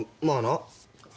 まあな。